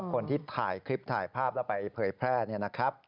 คนที่ถ่ายคลิปถ่ายภาพแล้วไปเผยแพร่